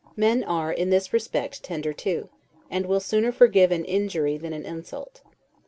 Men are in this respect tender too, and will sooner forgive an injury than an insult.